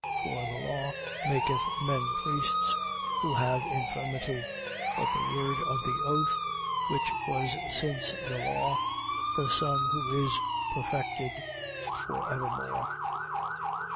7:28. For the law maketh men priests, who have infirmity: but the word of the oath (which was since the law) the Son who is perfected for evermore.